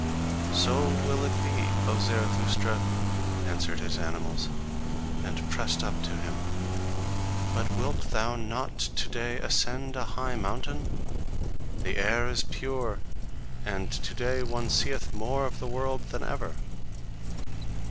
"So will it be, O Zarathustra," answered his animals, and pressed up to him; "but wilt thou not to day ascend a high mountain? The air is pure, and to day one seeth more of the world than ever."